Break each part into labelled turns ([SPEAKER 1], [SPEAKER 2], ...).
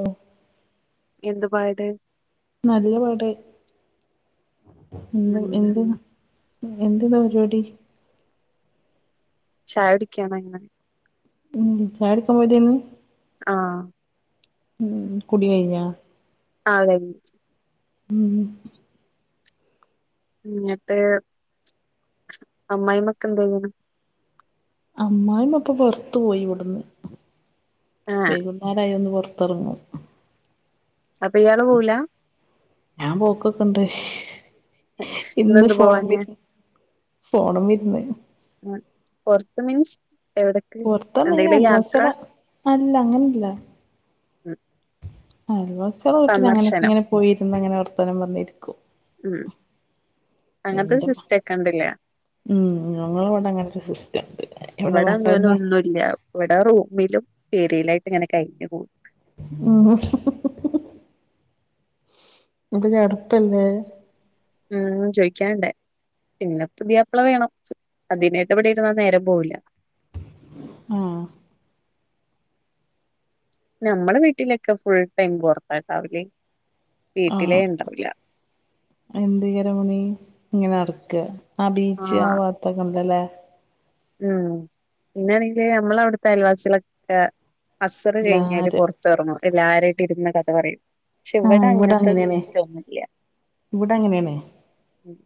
[SPEAKER 1] ഓ
[SPEAKER 2] എന്തു പറയണ്ട്
[SPEAKER 1] നല്ല പാട് എന്ത് എന്ത്.
[SPEAKER 2] ഉം
[SPEAKER 1] എന്തിയന് പരിപാടി...
[SPEAKER 2] ചായ കുടിക്കാൻ ആയിനോ അങ്ങനെ..
[SPEAKER 1] ഉം ചായ കുടിക്കാൻ പോയതായിരുന്നു
[SPEAKER 2] ആഹ്
[SPEAKER 1] ഉം കുടി.. കഴിഞ്ഞ..
[SPEAKER 2] ആഹ് കഴിഞ്ഞു
[SPEAKER 1] ഉം
[SPEAKER 2] എന്നിട്ട് അമ്മായിമ്മക്കെ എന്ത് ചെയ്യാണ്..
[SPEAKER 1] അമ്മായിമ്മ ഇപ്പൊ പുറത്തു പോയി ഇവിടുന്ന്
[SPEAKER 2] ആഹ്
[SPEAKER 1] വൈകുന്നേരം ആയാൽ ഒന്ന് പുറത്ത്. ഒന്ന് പുറത്തു ഇറങ്ങും
[SPEAKER 2] അപ്പൊ ഇയാള് പോവൂല..
[SPEAKER 1] ഞാൻ പോക്കൊക്കണ്ട്.. ഇന്ന്
[SPEAKER 2] ഇന്നെന്ത്
[SPEAKER 1] ഫോണിന്മൽ
[SPEAKER 2] പോവാഞ്ഞെ
[SPEAKER 1] ഇരുന്ന് ഫോണന്മൽ ഇരുന്ന്..
[SPEAKER 2] പുറത്ത് മീൻസ് എവിടെ.
[SPEAKER 1] പുറത്തു ഇങ്ങനെ അൽവസി കളെ അല്ല അങ്ങനെല്ല
[SPEAKER 2] ഉംഹ്
[SPEAKER 1] അയൽവാസികളുടെ വീട്ടിൽ അങ്ങനൊക്കെ ഇങ്ങനെ പോയിരുന്നങ്ങനെ വർത്തനംപറഞ്ഞു ഇരിക്കും പറഞ്ഞിരിക്കും
[SPEAKER 2] ഉം അങ്ങനത്തെ
[SPEAKER 1] എന്റെമ്മ
[SPEAKER 2] സിസ്റ്റ ഒക്കണ്ടില്ല
[SPEAKER 1] ഉം ഞങ്ങളെ ഇവിടെ അങ്ങന ഒരു സിസ്റ്റംണ്ട് ഇവിടെ വട്ടന്നോ
[SPEAKER 2] ഇല്ല ഇവിടെ റൂമിലും പേരിയിലായിട്ട് ഇങ്ങനെ കഴിഞ്ഞു.
[SPEAKER 1] ഉംഹ് അപ്പോ ചടപ്പല്ലേ
[SPEAKER 2] ഉം ചോയ്ക്കാണ്ടേ.. പിന്നെ പുതിയാപ്പ്ള വേണം അതിനു ഇവിടെയിരുന്ന നേരം പോവില്ല.
[SPEAKER 1] ആഹ്.
[SPEAKER 2] നമ്മളെ വീട്ടിലൊക്കെ ഫുൾ ടൈം പുറത്തായിട്ടാവില്ലേ വീട്ടിലേ ഉണ്ടാവില്ല...
[SPEAKER 1] എന്തായിക്കാരം പണി [inaudible] ഇങ്ങനെ നടക്കെ ആ ബീച്ച് ആ
[SPEAKER 2] ആഹ്
[SPEAKER 1] ഭാത്തൊക്കെ ഉണ്ടല്ലേ
[SPEAKER 2] ഉം പിന്നാണെങ്കിൽ നമ്മള ഉം അവിടുത്തെ അയൽവാസികളൊക്കെ അസറ് കഴിഞ്ഞാല്
[SPEAKER 1] എല്ലാരും
[SPEAKER 2] പുറത്ത് പുറത്ത് ഇറങ്ങും എല്ലാരായിട്ട് ഇരുന്നു കഥ പറയും പക്ഷെ
[SPEAKER 1] ആഹ്
[SPEAKER 2] ഇവിടെ അങ്ങനത്തെ
[SPEAKER 1] അങ്ങനെയാണ്
[SPEAKER 2] സിസ്റ്റന്നൂല്യ..
[SPEAKER 1] ഇവിടെ അങ്ങനെയാണ്
[SPEAKER 2] ഉം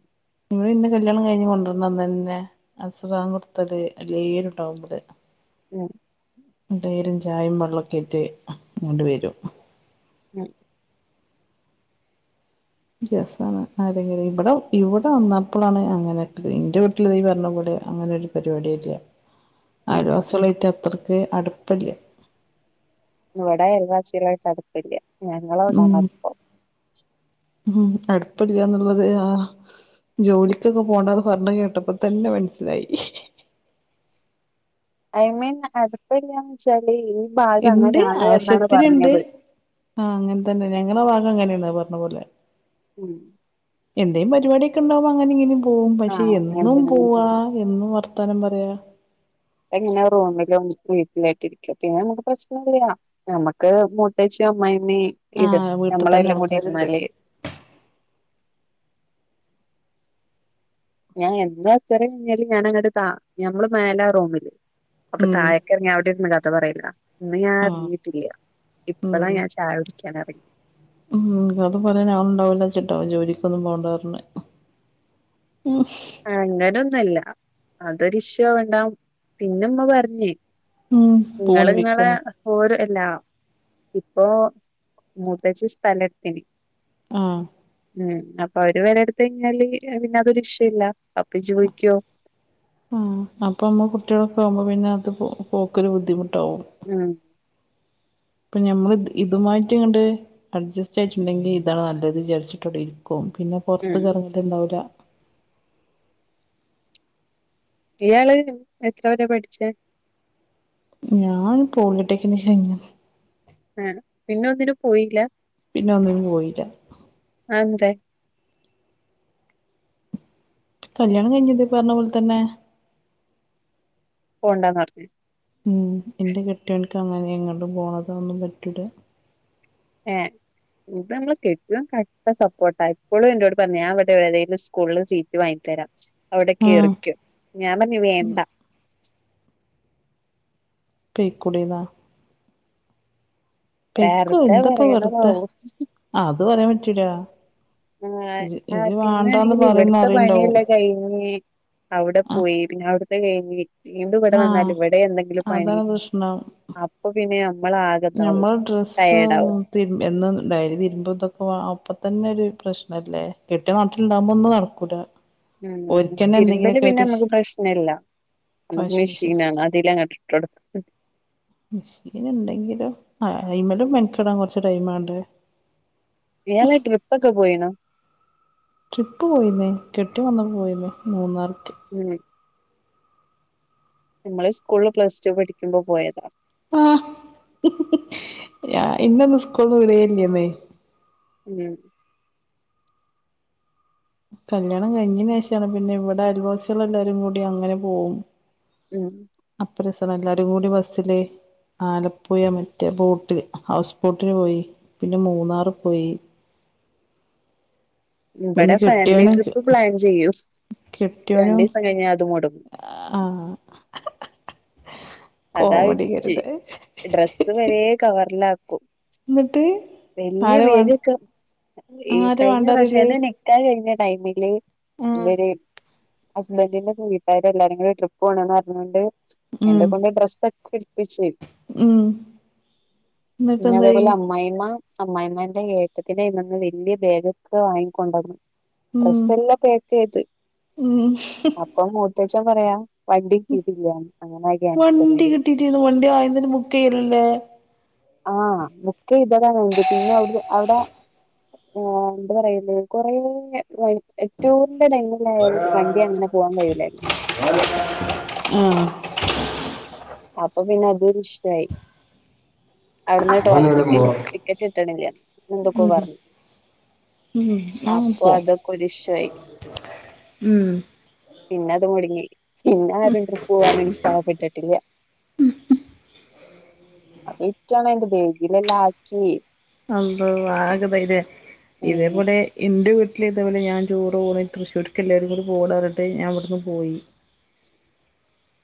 [SPEAKER 1] ഇവിടെ എന്നെ കല്യാണം കയിഞ്ഞ് കൊണ്ടുവരുന്ന അന്ന് തന്നെ അസർ ബാങ്ക് കൊടുത്തൽ എല്ലാവരുണ്ടാവുമ്പത്..
[SPEAKER 2] ഉം
[SPEAKER 1] എല്ലാരും ചായയും വെള്ളവും മൊക്കെ ആയിട്ട് ഇങ്ങട്ട് വരും.
[SPEAKER 2] ഉം
[SPEAKER 1] യസണ് ആരെങ്കിലും ഇവിടെ ഇവിടെ വന്നപ്പോളാണ് അങ്ങനെൊ എന്റെ വീട്ടിൽ ഇയ്യ് പറഞ്ഞപോലെ അങ്ങനെ ഒരു പരിപാടിയെ ഇല്ല്യ
[SPEAKER 2] [inaudible]
[SPEAKER 1] അയൽവാസികളുമായി അത്രയ്ക്ക് അടുപ്പമില്ല
[SPEAKER 2] ഇവിടെ അ യൽവാശികളായിട്ട് അടുപ്പില്ല ഞങ്ങളവിടാണ്
[SPEAKER 1] ഉം
[SPEAKER 2] അടുപ്പം..
[SPEAKER 1] ഉം അടുപ്പം ഇല്ല എന്നുള്ളത് ആഹ് ജോലിക്കൊന്നും പോകണ്ട എന്ന് പറഞ്ഞു കേട്ടപ്പോ തന്നെ മനസ്സിലായി
[SPEAKER 2] ഐ മീൻ അടുപ്പം ഇല്ല്യന്നു വച്ചാല് ഈ ഭാഗം
[SPEAKER 1] ഇണ്ട്
[SPEAKER 2] അങ്ങനെയാണ് എന്നാണ് പറഞ്ഞത്..
[SPEAKER 1] ആഹ് അങ്ങന തന്ന ഞങ്ങളാ ഭാഗം അങ്ങനെയാ പറഞ്ഞ പോലെ
[SPEAKER 2] ഉം
[SPEAKER 1] എന്തേലും പരിപാടിയൊക്കെ ഉണ്ടാവുമ്പോൾ അങ്ങനെങ്കിലും പോകും പക്ഷെ
[SPEAKER 2] ആഹ് അങ്ങനെ
[SPEAKER 1] എന്നും
[SPEAKER 2] തന്നെ
[SPEAKER 1] പോവാ എന്നും വർത്താനം പറയാ
[SPEAKER 2] അ ങ്ങനെ റൂമിൽ വീട്ടിലായിട്ടിരിക്കുക പിന്നെ നമുക്ക് പ്രശ്നല്ല നമ്മുക്ക് പ്രതേകിച്ചു അമ്മയിമ്മ
[SPEAKER 1] ആ
[SPEAKER 2] ഇത്
[SPEAKER 1] വീട്ടിൽ തന്നെ
[SPEAKER 2] നമ്മളെല്ലാം കൂടി
[SPEAKER 1] ആൾക്കാരുണ്ട്
[SPEAKER 2] ഇരുന്നാല് ഞാൻ എന്താച്ചറ കഴിഞ്ഞാല് ഞൻങ്ങട്ടട് ത ഞമ്മള് മേലാ റൂമില് അപ്പൊ
[SPEAKER 1] ഉം
[SPEAKER 2] തഴെ റങ്ങൻ അവിടെ ഇന്ന ഇല്ലാത്ത പറയില്ല ഇന്ന് ഞാൻ
[SPEAKER 1] ആ
[SPEAKER 2] ഇറിങ്ങിട്ടില്ല ഇപ്പഴാ
[SPEAKER 1] ഉം
[SPEAKER 2] ഞാൻ ചായ കുടിക്കാൻ ഇറങ്ങി.
[SPEAKER 1] ഉം കഥ പറയാൻ ആള ഉണ്ടാവില്ല ചിട്ടാവും ജോലിക്കൊന്നും പോണ്ടാ റഞ്ഞ ഉം
[SPEAKER 2] അങ്ങനൊന്നല്ല അതൊരിഷ ഉണ്ടാവും. പിന്നെമ്മ പറഞ്ഞേ
[SPEAKER 1] ഉം പോണ്
[SPEAKER 2] ഇങ്ങള് ഇങ്ങളെ
[SPEAKER 1] വിളിക്കുന്നു
[SPEAKER 2] ഓര അല്ലാ ഇപ്പോ മുതച്ച സ്ഥലത്തിന്
[SPEAKER 1] ഉം
[SPEAKER 2] ഉം അപ്പൊ അവര് വരെ എടുത്ത കഴിഞ്ഞാല് പിന്ന അതൊ ഇശ്ശുയില്ല അപ്പി ചോദിക്കോ
[SPEAKER 1] ആഹ് അപ്പ നമ്മ കുട്ടികളൊക്കെ ആവുമ്പോ പിന്നെ അത് ഓക്കൊരു ബുദ്ധിമുട്ടാവും
[SPEAKER 2] ഉം
[SPEAKER 1] ഇപ്പൊ ഞമ്മൾ ഇതുമായിട്ട് ഇങ്ങട്ട് അഡ്ജസ്റ്റ് ആയിട്ടുണ്ടെങ്കിൽ ഇതാണ് നല്ലത് വിച്ചാരിച്ചിട്ടോടെ ഇരിക്കും പിന്നെ പുറത്ത്
[SPEAKER 2] ഉം
[SPEAKER 1] ക ഇറങ്ങലുണ്ടാവില്ല.
[SPEAKER 2] ഇയാള് എത്ര വരെ പഠിച്ചേ
[SPEAKER 1] ഞാൻ പോളിട്ടേക് കഴിഞ്ഞ
[SPEAKER 2] ആഹ് പിന്നെ ഒന്നിനു പോയില്ല.
[SPEAKER 1] പിന്നെ ഒന്നിനും പോയില്ല
[SPEAKER 2] അഅ്ന്തെ
[SPEAKER 1] കല്യാണം കഴിഞ്ഞത് പറഞ്ഞ പോലെ തന്നെ
[SPEAKER 2] പോണ്ടാന്ന്റ ഞ്ഞ്
[SPEAKER 1] ളംഎന്റെ കെട്ടിയണക്ക് അങ്ങനെ എങ്ങോട്ടും പോണത ഒന്നും പറ്റൂല
[SPEAKER 2] ഏഹ് ഇത് നമ്മളെ കെട്ടിയോൻ കട്ട സപ്പോർട്ടാ ഇപ്പോഴും എന്നോട് പറഞ്ഞ ഞൻ അവിടെ വെളേല് സ്കൂളിൽ സീറ്റ് വാങ്ങി തരാം. അവിട
[SPEAKER 1] ആഹ്
[SPEAKER 2] കയറിക്കൊ ഞാൻ പറഞ്ഞു വേണ്ട
[SPEAKER 1] പൈ കൂടെയിരുന്നോ പെയക്കോ
[SPEAKER 2] വെറുതെ
[SPEAKER 1] എന്തപ്പ വെറുത്ത
[SPEAKER 2] പറയണതാവും
[SPEAKER 1] അത് പറയാൻ പറ്റൂല. ഇജ്
[SPEAKER 2] ആഹ് ആ്
[SPEAKER 1] ഇജ് വാണ്ടാന്ന്
[SPEAKER 2] പിന്നൊണെങ്കിൽ
[SPEAKER 1] പറയുംന്ന്
[SPEAKER 2] ഇവിടത്തെ
[SPEAKER 1] അറിയ്ണ്ടാവും
[SPEAKER 2] പണിയല്ല കഴിഞ്ഞ് അവിടെ
[SPEAKER 1] ആഹ്
[SPEAKER 2] പോയി പിന്നെ അവിടുത്തെ കഴിഞ്ഞ് ഇവിടെ വന്നാല
[SPEAKER 1] ആഹ്
[SPEAKER 2] ഇവിടെ എന്തെങ്കിലും പണി
[SPEAKER 1] അതാണ് പ്രശ്നം
[SPEAKER 2] അപ്പൊ പിന്നെ നമ്മള ആഗത ആകവും ടയേർഡ ആകും.
[SPEAKER 1] തിരുമ്പി ഡയലി തതിരുമ്പോൾ ഇതൊക്കെ അപ്പം തന്നെ ഒരു പ്രശ്നമല്ലേ കെട്ട നാട്ടിലുണ്ടാവുമ്പോൾ ഒന്ന് നടക്കു ലാ നടക്കു ലാ
[SPEAKER 2] ഉം തിരുമ്പല് പിന്നെ നമുക്ക് പ്രശ്നമല്ല നമുക്ക്
[SPEAKER 1] വാഷിംഗ് മെഷീൻ
[SPEAKER 2] മെഷീന ആണ് അതിലങ്ങട്ടിട്ട് കൊടുക്ക
[SPEAKER 1] മെഷീൻ ഉണ്ടെങ്കിലും അയ്മല് മെനക്കടാൻ കൊറച്ച ടൈം വേണ്ടേ
[SPEAKER 2] ഏതേം ട്രിപ്പ് ഒക്കെ പോയിനോ
[SPEAKER 1] ട്രിപ്പ് പോയിന്നേ കെട്ടിയോൻ വന്നിട്ട് പോയിന്നേ മൂന്നാർക്ക്
[SPEAKER 2] ഉം നമ്മള് സ്കൂളിൽ പ്ലസ് ടു പഠിക്കുമ്പോ പോയതാ.
[SPEAKER 1] ആഹ് ഇന്നൊന്ന് സ്കൂന്ന് വിടുല്ലമ്മേ
[SPEAKER 2] ഉം
[SPEAKER 1] കല്യാണം കഴിഞ്ഞന് ശേഷാണ് പിന്നെ ഇവിടെ അയിവാസികൾ എല്ലാരും കൂടി അങ്ങനെ പോവും.
[SPEAKER 2] ഉം
[SPEAKER 1] അപ്പേ സാറ എല്ലാരും കൂടി ബസ്സില് ആലപ്പുഴ മറ്റേ ബോട്ടില് ഹൗസ് ഊട്ടി പോയി പിന്നെ മൂന്നാർ പോയി. പിന്നെ
[SPEAKER 2] ഇവിടെ ഫാമിലി
[SPEAKER 1] കെട്ടിയോനും
[SPEAKER 2] ട്രിപ്പ് പ്ലാൻ ചെയ്യും. രണ്ടു
[SPEAKER 1] കെട്ടിയോനും
[SPEAKER 2] ദിവസം കഴിഞ്ഞാ അത് മുടങ്ങും.
[SPEAKER 1] ആഹ്
[SPEAKER 2] അതാ
[SPEAKER 1] കോമഡി
[SPEAKER 2] വിറ്റ്
[SPEAKER 1] കരുത്
[SPEAKER 2] ഡ്രസ്സ് വരെ കവറില് ആക്കും.
[SPEAKER 1] എന്നിട്ട്
[SPEAKER 2] വലിയ
[SPEAKER 1] ആരെ വേ
[SPEAKER 2] വേദിയൊക്കെ ഈ
[SPEAKER 1] ആരെ
[SPEAKER 2] കഴിഞ്ഞ പ്രാവശ്യം
[SPEAKER 1] വേണ്ടാറില്ലേ
[SPEAKER 2] അതന്നെ നികാഹ് കഴിഞ്ഞ ടൈമില്
[SPEAKER 1] ആഹ്
[SPEAKER 2] ഇവര് ഹസ്ബൻഡറിന്റെ വീട്ടാര് എല്ലാരും ട്രിപ്പ് പോകണംന്ന് പറഞ്ഞുക്കാണ്ട്
[SPEAKER 1] ഉം
[SPEAKER 2] പുതെ ഡ്രസ് ഒക്കെ ഇടപ്പിച്
[SPEAKER 1] ഉം എന്നിട്ട്
[SPEAKER 2] പിന്നെ
[SPEAKER 1] എന്തായി
[SPEAKER 2] അതേപോലെ അമ്മായിമ്മ അമ്മായിമ്മന്റെ ഏട്ടത്തിന്റെ കയ്മെന്ന് വല്യ ബാഗൊക്കെ വാങ്ങിക്കൊണ്ടന്ന്
[SPEAKER 1] ഉം
[SPEAKER 2] ഡ്രെസ്സെല്ലാം പാക്കയ്ത്
[SPEAKER 1] ഉം
[SPEAKER 2] അപ്പം മൂത്തേച്ചൻ പറയാ വണ്ടി കേറ്റില്ല അങ്ങനെ ക്യാൻസ്
[SPEAKER 1] കിട്ടീട്ടന്ന് വണ്ടി ആദ്യം തന്നെ ബു ക്കയല്ലേ
[SPEAKER 2] ആ ബുക്കയ്തതാണ് വണ്ടി പിന്നെ അവടെന്ന് അവ്ടെ ആ എന്ത പറയല് കൊറെേ ഏറ്റവും [unintelligible] [unintelligible] വണ്ടി അങ്ങനെ പോവാൻ കഴൂലല്ലേ
[SPEAKER 1] ആ
[SPEAKER 2] അപ്പൊ പിന്നെ അതു ഒര് ഇഷ്യൂ ആയി ടിക്കറ്റ് കീട്ടണില്ല എന്തൊക്കെ
[SPEAKER 1] ഉം
[SPEAKER 2] പറഞ്ഞു
[SPEAKER 1] ഉം ആഹ്
[SPEAKER 2] അപ്പൊ
[SPEAKER 1] പോ
[SPEAKER 2] അതൊക്കെ ഒരു ഇശുവായി
[SPEAKER 1] ഉം
[SPEAKER 2] പിന്നെ അത് മൊടങ്ങി പിന്നെ ആരും [unintelligible] പോവാനും ഉത്സാഹപ്പെട്ടിട്ടില്ല അപ്പൊ ഇ [unintelligible] ബേഗിലെല്ലാം ആക്കി
[SPEAKER 1] അമ്പോ ആകെ ഇതായിലെ
[SPEAKER 2] ഉം
[SPEAKER 1] ഇതേപോലെ ഇന്റെ വീട്ടില് ഇതുപോലെ ഞാൻ ടൂർ പോണ തൃശൂർക്ക് എല്ലാരും പോണെ ടകണ്ടിട്ട് ഞൻവിടുന്ന് പോയി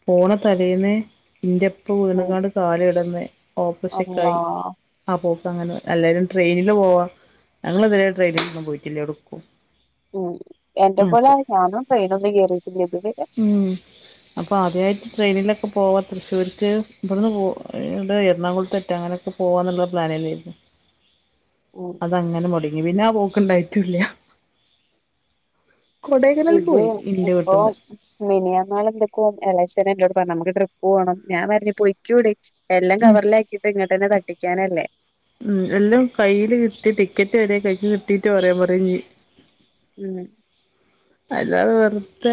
[SPEAKER 1] പോണ തലേന്ന് ഇന്റെ ഇപ്പ
[SPEAKER 2] ഉം
[SPEAKER 1] വീണുകാണ്ട് കാലെ ടന്ന് ഓപ്പറഷ
[SPEAKER 2] അള്ളാ
[SPEAKER 1] കായി ആ പോക്ക് അങ്ങനെ എല്ലാരും ട്രെയിനില് പോവാം ഞങ്ങളെതിരെ ട്രെയിനിൽന്നും പോയിട്ടില്ലേ എടുക്കും
[SPEAKER 2] ഉം എന്റെ പോലെ ഞാനും ട്രെയിനന്നും കേറിയിട്ടില്ല ഇത് വരെ
[SPEAKER 1] ഉം അപ്പോ ആദ്യായിട്ട് ട്രെയിനിലൊക്കെ പോവാ തൃശ്ശൂരിക്ക് ഇവിടുന്ന് പോ ഇടെ എറണാകുളത്തറ്റ അങ്ങനെക്കെ പോവാന്നുള്ള പ്ലാനിലെന്നു
[SPEAKER 2] ഉം
[SPEAKER 1] അ അങ്ങനെ മുടങ്ങി പിന്നെ ആ പോക്കണ്ടായിട്ടൂല്ല കൊടേക്കനൽ പോയി ഇന്റെ വീട്ട്ന്ന്
[SPEAKER 2] മിനിയാമാള് [unintelligible] എളച്ചന് എന്റെോട് പറഞ് നമുക്ക് ട്രിപ്പ് പോണം ഞാൻ പറഞ് പോയിക്കൂടെ എല്ലാം
[SPEAKER 1] ഉം
[SPEAKER 2] കവറിലാക്കിയിട്ട് ഇങ്ങട്ട്ന്നെ തട്ടിക്കാനല്ലേ
[SPEAKER 1] ഉം എല്ലാം കയ്യില് കിട്ടി ടിക്കറ്റ് വരെ കൈയ് കിട്ടീട്ട് പറയാൻ പറി ഞ്
[SPEAKER 2] ഉം
[SPEAKER 1] അല്ലാതെ വെറുത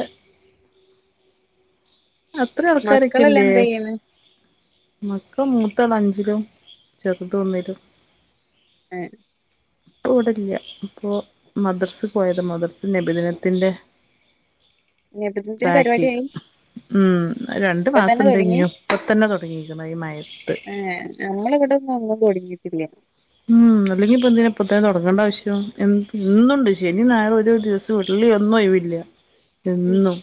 [SPEAKER 1] അത്ര
[SPEAKER 2] മക്കളെല്ലാം
[SPEAKER 1] ആൾക്കാരൊക്കില്ലേ
[SPEAKER 2] എന്ത് ചെയ്യണ്
[SPEAKER 1] മക്ക മൂതാള് അഞ്ചിലും ചെറുത് ഒന്നിലും
[SPEAKER 2] എ
[SPEAKER 1] ഇപ്പോ ഇവിടെല്ല അപ്പോ മദ്രസ് പോയത മദ്രസി നബിദിനത്തിൻ്റെ
[SPEAKER 2] നേപ്പത്തിന്
[SPEAKER 1] പ്രാക്ടീസ്
[SPEAKER 2] പരിപാടിയായി
[SPEAKER 1] ഉം രണ്ട്
[SPEAKER 2] ഇപ്പ തന്നെ
[SPEAKER 1] മാസം ണ്ട്
[SPEAKER 2] തുടങ്ങി
[SPEAKER 1] ഞ്ഞും ഇപ്പംത്തന്നെ തുടങ്ങീക്കണ് ഈ മയത്ത്
[SPEAKER 2] നമ്മള ഇവിടെ ഒന്നും ഒന്നും തുടങ്ങിയിട്ടില്ല
[SPEAKER 1] ഉം അല്ലെങ്കിൽ ഇപ്പൊ എന്തിന ഇപ്പത്തന്നെ തുടങ്ങേണ്ട ആവശ്യം എന്ത് എന്നണ്ട് ശനി ഞായറും ഒരു ദിവസം ചുരുളി ഒന്നും ഒഴിവ് ഇല്ല
[SPEAKER 2] ഉം
[SPEAKER 1] എന്നും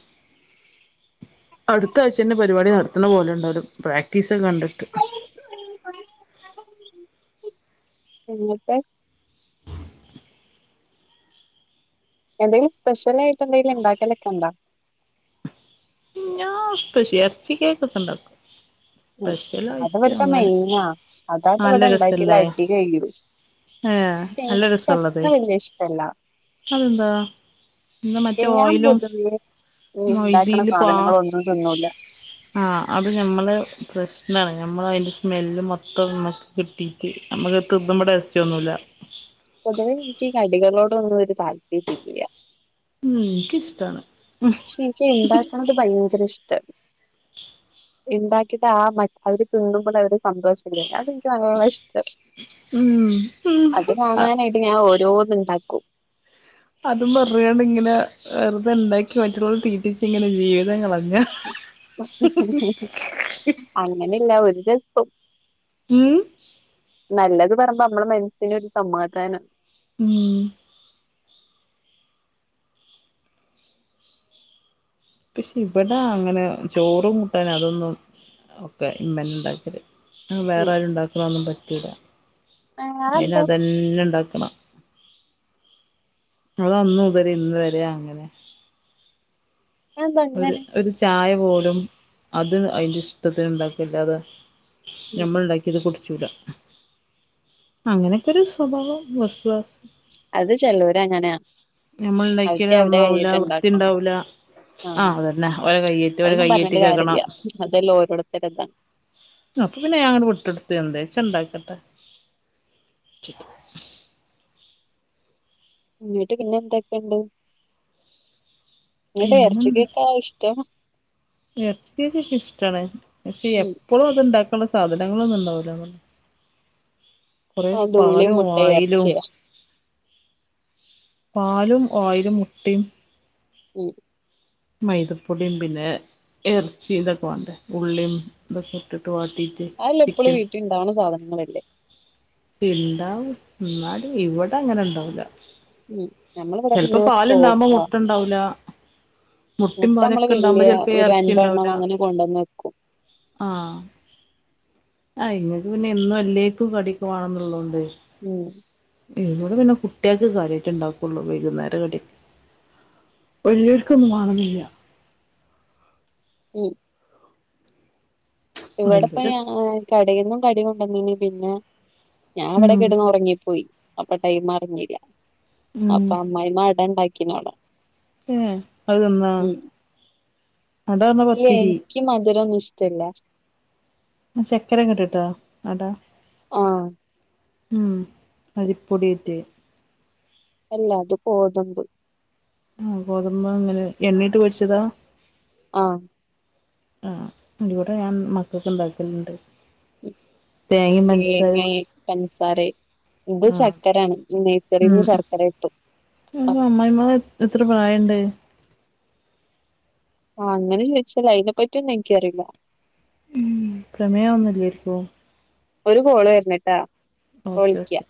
[SPEAKER 1] അടുത്ത ആഴച്ചന്റെ പരിപാടി നടത്തണ പോലെ ഉണ്ടാവാലും പ്രാക്ടീസ് ഒക്കെ കണ്ടിട്ട്
[SPEAKER 2] എന്നിട്ട് എന്തേങ്കിലും സ്പെഷ്യൽ ആയിട്ട് എന്തെങ്കിലും ഉണ്ടാക്കലൊക്കെ ഉണ്ടോ
[SPEAKER 1] ഞാ സ്പ ശി ഇറച്ചി കേക്കൊക്കെ ഉണ്ടാക്കും
[SPEAKER 2] ഉം
[SPEAKER 1] സ്പെഷ്യൽ
[SPEAKER 2] അത്
[SPEAKER 1] ആയിട്ട്
[SPEAKER 2] ഇവിടുത്തെ
[SPEAKER 1] അങ്ങനെ
[SPEAKER 2] മെയിനാ അതാട്ട്
[SPEAKER 1] നല്ല
[SPEAKER 2] ഇവിടെ ഉണ്ടാക്കിയാൽ
[SPEAKER 1] രസല്ലേ
[SPEAKER 2] അടി കഴിയും
[SPEAKER 1] ഏ
[SPEAKER 2] പക്ഷെ
[SPEAKER 1] നല്ല
[SPEAKER 2] എനിക്ക്
[SPEAKER 1] രസള്ളത്
[SPEAKER 2] അത്ര വല്യ ഇഷ്ടല്ല
[SPEAKER 1] അതെന്താ എന്താ മറ്റേ
[SPEAKER 2] ഞാൻ
[SPEAKER 1] ഓയിലും
[SPEAKER 2] പൊതുവേ ഇണ്ടാക്ക്ണ
[SPEAKER 1] മൈദയിൽ പാ
[SPEAKER 2] സാധനങ്ങളൊന്നും തിന്നൂല.
[SPEAKER 1] ആഹ് അത് ഞമ്മള് പ്രശ്നാന് ഞമ്മൾ അതിന്റെ സ്മെല്ല് മൊത്തം കിട്ടീട്ട് നമ്മളത്ത് [unintelligible] മ്പോൾ ടേസ്റ്ററ്റ് തോന്നുല.
[SPEAKER 2] പൊതുവേ ഇൻക്കി കടികളോടൊന്നൊരു താൽപ്പര്യല്ല.
[SPEAKER 1] ഉം ഇൻക്കിഷ്ടാണ് ഉം
[SPEAKER 2] ഇൻക്കി ഇണ്ടാക്കണത് ഭയങ്കര ഇഷ്ടാ. ഇണ്ടാക്കിട്ടാ ആ മ അവര് തിന്നുമ്പോളൊരു സന്തോഷല്ലേ അത് ഇഷ്ടം
[SPEAKER 1] ഉം
[SPEAKER 2] അത്
[SPEAKER 1] ആഹ്
[SPEAKER 2] കാണാനായിട്ട് ഞാൻ ഓരോന്ന് ഇണ്ടാക്കും.
[SPEAKER 1] അതും പറഞ്ഞാണ്ട് ഇങ്ങനെ വെറുതെണ്ടാക്കി മറ്റുള്ളവർ തീറ്റിച്ച്ങ്ങനെ ജീവിതം കളഞ്ഞ
[SPEAKER 2] അങ്ങനെല്ല ഒരു ദിവസം.
[SPEAKER 1] ഉം
[SPEAKER 2] നല്ലത് പറമ്പ നമ്മളെ മന്സ്സ്ന് ഒരു സമാധാനം.
[SPEAKER 1] മ് പക്ഷെ ഇവിടെ അങ്ങനെ ചോറും കൂട്ടാൻ അതൊന്നും ഒക്കെ ഇമ്മന്നണ്ടാക്കൽ. വേറെ
[SPEAKER 2] ഉം
[SPEAKER 1] ആരും ഇണ്ടാക്ക്ണ ഒന്നും പറ്റൂല അയിന്
[SPEAKER 2] അതെന്താ
[SPEAKER 1] അതന്നെ ഇണ്ടാക്കണം. അതന്ന് ഉപരി ഇന്ന് വരെ അങ്ങനെ.
[SPEAKER 2] അതെന്താ
[SPEAKER 1] ഒരു
[SPEAKER 2] അങ്ങനെ
[SPEAKER 1] ഒരു ചായ പോലും അത് അയിന്റെ ഇഷ്ടത്തിന്ണ്ടാക്കല്ലാതെ
[SPEAKER 2] ഉം
[SPEAKER 1] ഞമ്മൾണ്ടാ ഇത് കുട്ച്ചൂല അങ്ങനെക്കെ ഒരു സ്വഭാവം വസ്വാസ്
[SPEAKER 2] അത് ചെലോര് അങ്ങനെയാ
[SPEAKER 1] നമ്മൾ ഇണ്ട്യാക്കല്
[SPEAKER 2] അവർക്ക് അവരുടെ
[SPEAKER 1] നന്നാവൂല
[SPEAKER 2] കൈയിട്ട് ഉണ്ടാക്കണം
[SPEAKER 1] വൃത്തിണ്ടാവൂല ആഹ് അതന്നെ ഓലേ കയ്യേറ്റി ഒരു കയ്യേറ്റി കേൾക്കണം.
[SPEAKER 2] അതെല്ലോ ഓരുത്തരതാണ്
[SPEAKER 1] അപ്പൊ പിന്നെ ഞാൻ വിട്ടെടുത്ത് എന്താച്ചണ്ടാക്കട്ടെ.
[SPEAKER 2] ഇങ്ങട്ട് പിന്നെ എന്തൊക്കെണ്ട്. എടെ എർച്ചികേക്കാ ഇഷ്ടം
[SPEAKER 1] എർച്ചികേക്കെ ഇഷ്ടാണ് പക്ഷെ
[SPEAKER 2] ഉം
[SPEAKER 1] എപ്പളും അത്ണ്ടാക്കുള്ള സാധനങ്ങളൊന്നും ഉണ്ടാവുല. കൊറെ
[SPEAKER 2] അത് ഉള്ളി
[SPEAKER 1] പാലും
[SPEAKER 2] മുട്ട
[SPEAKER 1] വായിലും
[SPEAKER 2] ഇറച്ചിയാ
[SPEAKER 1] പാലും, ഓയിലും, മുട്ടിം
[SPEAKER 2] [inaudible]
[SPEAKER 1] മൈദപ്പൊടിം പിന്നെ എർച്ചി ഇതൊക്കെ വാണ്ടേ ഉള്ളിം ഇതൊക്കെ ഇട്ട്ട്ട് വാട്ടി
[SPEAKER 2] അല്ല എപ്പളും വീട്ടിണ്ടാവുന്ന സാധനങ്ങളല്ലേ?
[SPEAKER 1] ഇണ്ടാവും ഇന്നാലും ഇവടെ അങ്ങനെണ്ടാവുല.
[SPEAKER 2] മം നമ്മള ഇവടെ പിന്നെ സ്റ്റോക്കാ
[SPEAKER 1] ഉണ്ടാവുല. മുട്ടിം,
[SPEAKER 2] മുട്ട നമ്മള്
[SPEAKER 1] പാലൊക്കെ ഇണ്ടാവുമ്പോ
[SPEAKER 2] വല്യ
[SPEAKER 1] ചെല്പ്പോ
[SPEAKER 2] ഒരു
[SPEAKER 1] എർച്ചി
[SPEAKER 2] അൻപെണ്ണം
[SPEAKER 1] ഇണ്ടാവൂല
[SPEAKER 2] അങ്ങനെ കൊണ്ടന്ന് വെക്കും
[SPEAKER 1] ആഹ്. ആ ഇങ്ങക്ക് പിന്നെ എന്നും എല്ലേക്കും കടിക്കുവാണെന്ന്ള്ളോണ്ട്.
[SPEAKER 2] ഉം
[SPEAKER 1] ഇവടെ പിന്നെ കുട്ട്യൾക്ക് കാര്യായിട്ട് ഇണ്ടാക്കുള്ളൂ വൈകുന്നേരം കടി ഒര്ക്കൊന്നും മാണന്നില്ല.
[SPEAKER 2] ഉം ഇവടെ പോ
[SPEAKER 1] വല്ല്യോര്
[SPEAKER 2] ഞാ [unintelligible] കടേന്നും കടി കൊണ്ടന്നിനി പിന്നെ ഞാൻ ഇവടെ
[SPEAKER 1] ഉം
[SPEAKER 2] കെടന്ന് ഒർങ്ങിപ്പോയി. അപ്പൊ ടൈം അറിഞ്ഞില്ല
[SPEAKER 1] ഉം
[SPEAKER 2] അപ്പൊ അമ്മായി മാടെണ്ടാക്കിന്നോളാം.
[SPEAKER 1] ഏ അ [unintelligible]
[SPEAKER 2] എ ഇൻക്കി മധുര ഒന്നും ഇഷ്ടല്ല.
[SPEAKER 1] ചക്കര ഇങ്ങൻട്ടട്ടാ അടാ
[SPEAKER 2] ആഹ്
[SPEAKER 1] മ്മ് അരിപ്പൊടിറ്റേ
[SPEAKER 2] അല്ലാ അത് ഗോതമ്പ്.
[SPEAKER 1] ആ ഗോതമ്പ് അങ്ങനെ എണ്ണേട്ട് പൊര്ച്ചതാ?
[SPEAKER 2] ആഹ്
[SPEAKER 1] ആഹ് ഇവടെ ഞാൻ മക്കൾക്ക് ഇണ്ടാക്കല്ണ്ട്.
[SPEAKER 2] തേങ്ങേ പഞ്ചസാരെ ഇത്
[SPEAKER 1] ആഹ്
[SPEAKER 2] ചക്കരയാണ് നഴ്സറിൽന്ന് ശർക്കര കിട്ടും
[SPEAKER 1] അപ്പൊ അമ്മായിമ്മക്ക് എത്ര പ്രായണ്ട്
[SPEAKER 2] ആഹ് അങ്ങനെ ചോദിച്ചാ അതിനെപ്പറ്റി ഒന്നും എനിക്കറിയില്ല
[SPEAKER 1] ഉം പ്രമേഹം ഒന്നുല്ലായിരിക്കോ
[SPEAKER 2] ഒരു കോള് വരുനിട്ടാ
[SPEAKER 1] ഓക്കെ ഓക്കെ